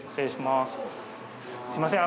すいません